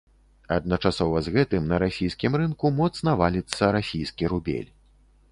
Адначасова з гэтым на расійскім рынку моцна валіцца расійскі рубель.